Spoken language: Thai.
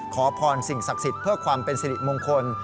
ขอพรสิ่งศักดิ์สิทธิ์เพื่อความเป็นสิริมงคล